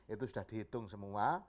itu sudah dihitung semua